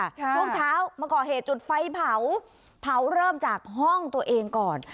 ช่วงเช้ามาก่อเหตุจุดไฟเผาเผาเริ่มจากห้องตัวเองก่อน